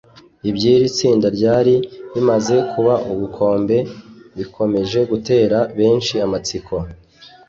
Iby’iri tsinda ryari rimaze kuba ubukombe bikomeje gutera benshi amatsiko